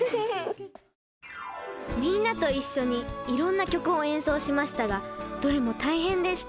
みんなと一緒にいろんな曲を演奏しましたがどれも大変でした。